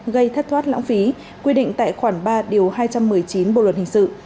gây thất thoát lãng phí quy định tại khoản ba điều hai trăm một mươi chín bộ luật hình sự